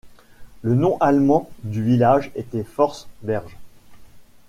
Le nom allemand du village était Forst-Berge.